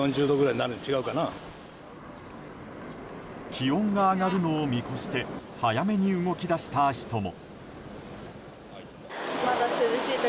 気温が上がるのを見越して早めに動き出した人も。